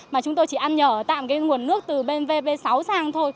mà chúng tôi chỉ ăn nhở tạm cái nguồn nước từ bên vp sáu sang thôi